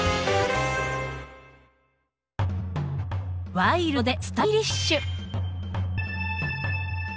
ワイルドでスタイリッシュ。